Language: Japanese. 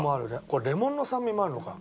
これレモンの酸味もあるのか。